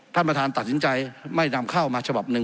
ท่านประธานตัดสินใจไม่นำเข้ามาฉบับหนึ่ง